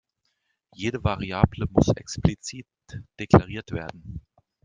Jede Variable muss explizit deklariert werden.